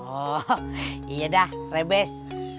oh iya dah rebes